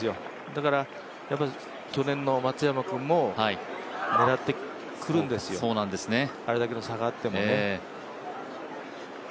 だからやっぱり去年の松山君も狙ってくるんですよ、あれだけの差があってもね。